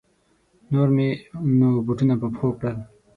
نور مې نو بوټونه په پښو کړل.